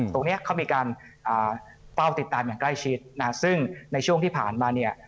ตรงนี้เขามีการเฝ้าติดตามอย่างใกล้ชิดนะซึ่งในช่วงที่ผ่านมาเนี่ย